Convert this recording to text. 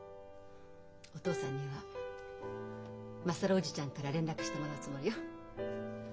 お父さんには優叔父ちゃんから連絡してもらうつもりよ。